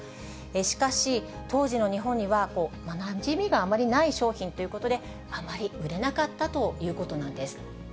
しかし、当時の日本にはなじみがあまりない商品ということで、あまり売れなかったということなんです。